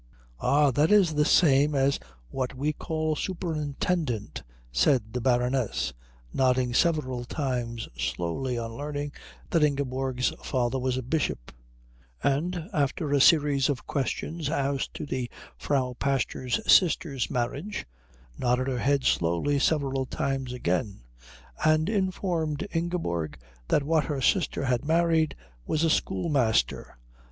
"Ah, that is the same as what we call superintendent," said the Baroness, nodding several times slowly on learning that Ingeborg's father was a bishop; and after a series of questions as to the Frau Pastor's sister's marriage nodded her head slowly several times again, and informed Ingeborg that what her sister had married was a schoolmaster.